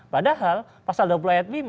padahal pasal dua puluh ayat lima